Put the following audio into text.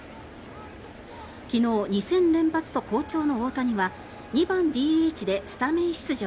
昨日、２戦連発と好調の大谷は２番ＤＨでスタメン出場。